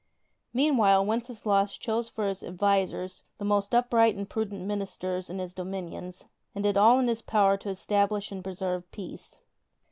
Meanwhile, Wenceslaus chose for his advisers the most upright and prudent ministers in his dominions, and did all in his power to establish and preserve peace.